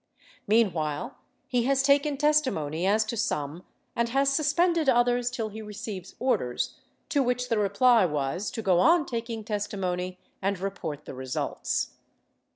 Meanwhile he has taken testimony as to some and has suspended others till he receives orders, to which the reply was to go on taking testimony and report the results.